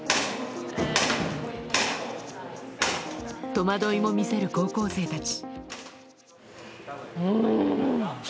戸惑いも見せる高校生たち。